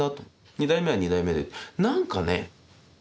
二代目は二代目で何かね